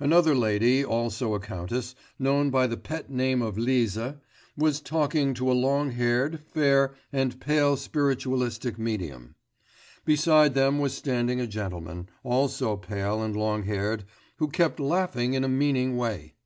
Another lady, also a countess, known by the pet name of Lise, was talking to a long haired, fair, and pale spiritualistic medium. Beside them was standing a gentleman, also pale and long haired, who kept laughing in a meaning way.